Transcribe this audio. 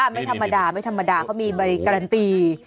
ไม่ธรรมดาเขามีใบการันตี